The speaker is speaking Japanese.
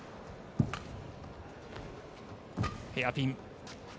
ヘアピン。